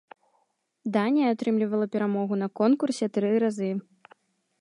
Данія атрымлівала перамогу на конкурсе тры разы.